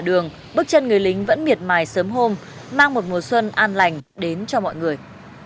đường bước chân người lính vẫn miệt mài sớm hôm mang một mùa xuân an lành đến cho mọi người